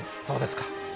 そうですか。